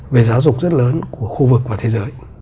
về giáo dục rất lớn của khu vực và thế giới